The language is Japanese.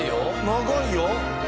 長いよ。